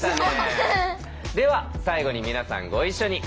では最後に皆さんご一緒に。